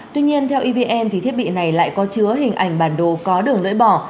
tuy nhiên theo evn thì thiết bị này lại có chứa hình ảnh bản đồ có đường lưỡi bỏ